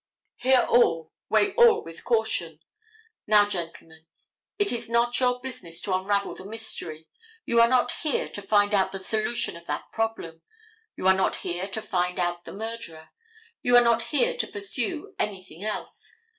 Hear all, weigh all with caution. Now, gentlemen, it is not your business to unravel the mystery. You are not here to find out the solution of that problem. You are not here to find out the murderer. You are not here to pursue anything else.